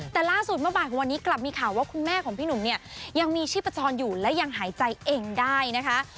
แต่ล่าสุดเมื่อบ่ายของวันนี้กลับมีข่าวว่าคุณแม่ของพี่หนุ่มเนี่ยยังมีชีพจรอยู่และยังหายใจเองได้นะคะ